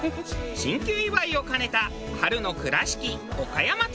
進級祝いを兼ねた春の倉敷・岡山ツアー。